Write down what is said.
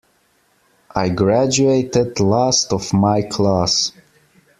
I graduated last of my class.